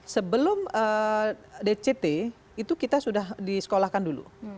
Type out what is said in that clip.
sebelum dct itu kita sudah disekolahkan dulu